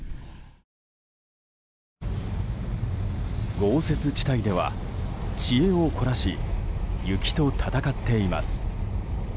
豪雪地帯では知恵を凝らし雪と戦っています。